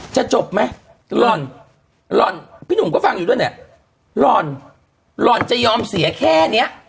จบไหมหล่อนหล่อนพี่หนุ่มก็ฟังอยู่ด้วยเนี่ยหล่อนหล่อนจะยอมเสียแค่เนี้ย